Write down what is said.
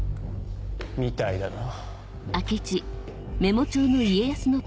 みたいだな。